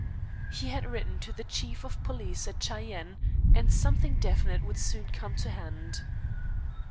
He had written to the Chief of Police at Cheyenne, and something definite would soon come to hand.